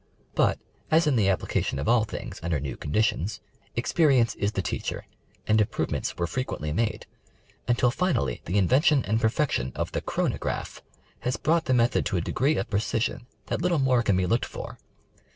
But as in the application of all things under new conditions, experience is the teacher, and improvements were frequently made, until finally the invention and perfection of the " chronograph " has brought the method to a degree of precision that little more can be looked for.